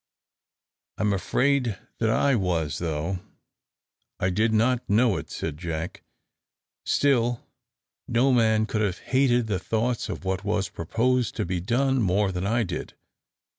"I am afraid that I was, though I did not know it," said Jack. "Still no man could have hated the thoughts of what was proposed to be done more than I did.